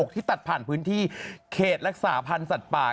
ที่ตัดผ่านพื้นที่เขตรักษาพันธ์สัตว์ป่า